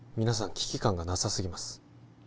危機感がなさすぎます